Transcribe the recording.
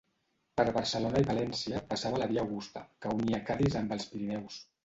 Per Barcelona i València passava la via Augusta, que unia Cadis amb els Pirineus.